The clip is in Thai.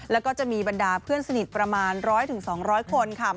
แล้วก็จะมีบรรดาเพื่อนสนิทประมาณ๑๐๐๒๐๐คนค่ะ